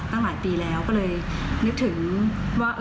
ตั้งหลายปีแล้วก็เลยนึกถึงว่า